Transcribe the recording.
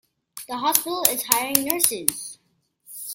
The hospital is hiring nurses.